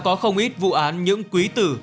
đã có không ít vụ án những quý tử